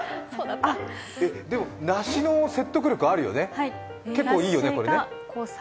でも、梨の説得力あるよね、結構いいよね、これね。